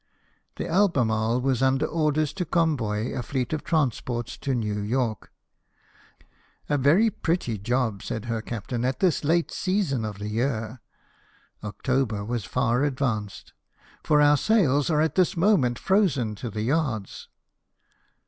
The Alhemarie was under orders to convoy a fleet of transports to New York. "A very pretty job," said her captain, " at this late season of the year " (October was far advanced), " for our sails are at this moment frozen to the yards."